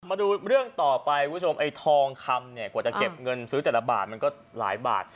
มาดูเรื่องต่อไปทองคำกว่าจะเก็บเงินซื้อแต่ละบาทมันก็หลายบาท